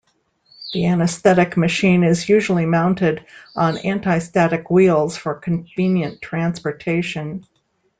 The anaesthetic machine is usually mounted on anti-static wheels for convenient transportation.